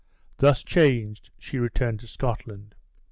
Thus changed, she returned to Scotland.